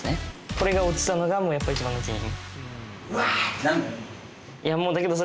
これが落ちたのがもうやっぱ一番の原因。